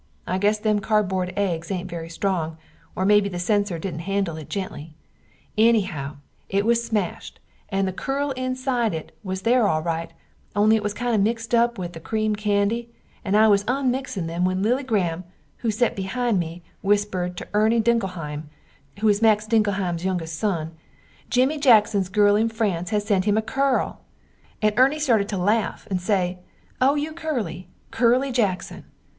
I guess them cardboard eggs aint very strong, or mebbe the censer didn't handel it gently, ennyhow it was smasht and the curl inside it was there alrite only it was kind of mixt up with the cream candy and I was unmixin them when Lily Graham who set beehind me whisperd to Erny Dinkelheim, who is Max Dinkelheims youngist son, Jimmy Jacksons girl in France has sent him a curl! and Erny started to laff and say, O you Curly Curly Jackson!